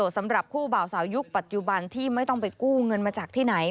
สำหรับคู่บ่าวสาวยุคปัจจุบันที่ไม่ต้องไปกู้เงินมาจากที่ไหน